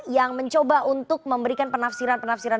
yang mencoba untuk memberikan penafsiran penafsiran